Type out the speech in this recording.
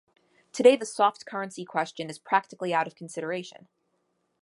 Today the soft currency question is practically out of consideration.